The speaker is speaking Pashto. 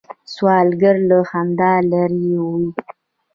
سوالګر له خندا لرې وي